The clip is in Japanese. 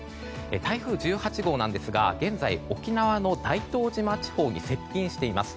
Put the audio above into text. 台風１８号ですが現在、沖縄の大東島地方に接近しています。